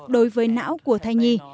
đối với não của thai nhi